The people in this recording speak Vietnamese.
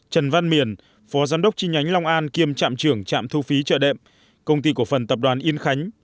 trần văn miền phó giám đốc chi nhánh long an kiêm trạm trưởng trạm thu phí chợ đệm công ty cổ phần tập đoàn yên khánh